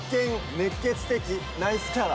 熱ケツ的ナイスキャラ。